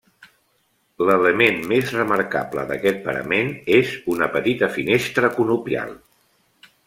L'element més remarcable d'aquest parament és una petita finestra conopial.